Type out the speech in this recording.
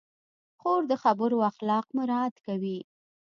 خور د خبرو اخلاق مراعت کوي.